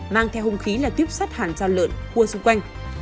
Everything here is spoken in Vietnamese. mang theo hùng khí là tiếp sát hàng giao lợn cua xung quanh